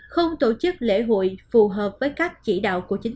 không tổ chức lễ hội phù hợp với các chỉ đạo của chủ tịch